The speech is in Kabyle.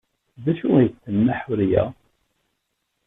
D acu ay d-tenna Ḥuriya?